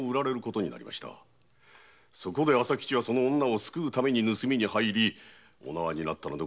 そこで朝吉はその女を救うために盗みに入りお縄になったので。